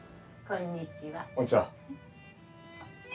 こんにちは。